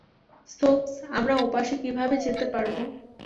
সোকস, আমরা ওপাশে কিভাবে যেতে পারবো?